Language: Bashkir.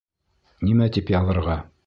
Нимә тип яҙырға?